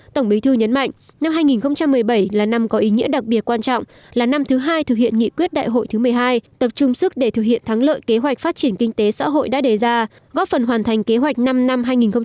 tổng bí thư nhấn mạnh năm hai nghìn một mươi bảy là năm có ý nghĩa đặc biệt quan trọng là năm thứ hai thực hiện nghị quyết đại hội thứ một mươi hai tập trung sức để thực hiện thắng lợi kế hoạch phát triển kinh tế xã hội đã đề ra góp phần hoàn thành kế hoạch năm năm hai nghìn một mươi chín